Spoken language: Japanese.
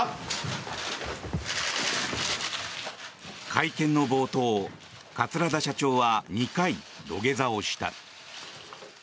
会見の冒頭桂田社長は２回土下座をした。